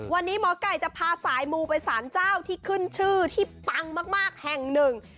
วันนี้หมอไก่จะพาสายมูไปสารเจ้าที่ขึ้นชื่อที่ปังมากแห่งหนึ่ง